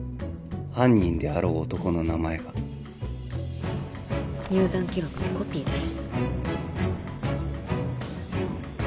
犯人であろう男の名前が入山記録のコピーです